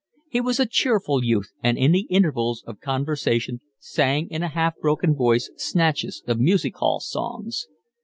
He was a cheerful youth, and in the intervals of conversation sang in a half broken voice snatches of music hall songs.